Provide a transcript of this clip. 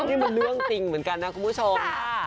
นี่มันเรื่องจริงเหมือนกันนะคุณผู้ชม